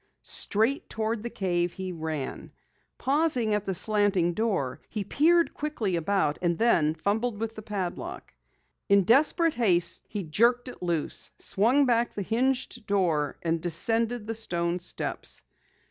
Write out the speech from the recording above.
Straight toward the cave he ran. Pausing at the slanting door, he peered quickly about, and then fumbled with the padlock. In desperate haste he jerked it loose, swung back the hinged door, and descended the stone steps.